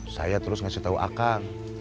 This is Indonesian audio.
saya terus ngasih tahu a kang